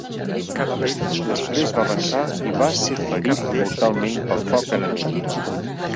Després va avançar i va ser ferit mortalment pel foc enemic.